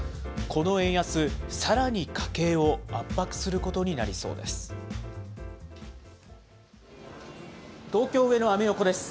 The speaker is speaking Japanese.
この円安、さらに家計を圧迫することになりそうです。